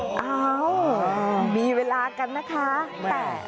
อ้าวมีเวลากันนะคะแต่